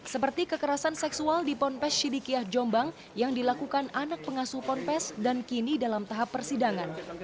seperti kekerasan seksual di ponpes sidikiah jombang yang dilakukan anak pengasuh ponpes dan kini dalam tahap persidangan